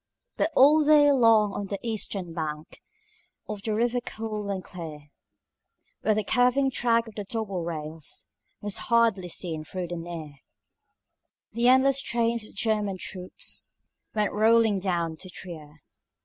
But all day long on the eastern bank Of the river cool and clear, Where the curving track of the double rails Was hardly seen though near, The endless trains of German troops Went rolling down to Trier.